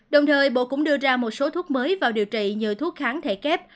đồng thời bộ cũng đưa ra một số thuốc mới vào điều trị như thuốc kháng thể kép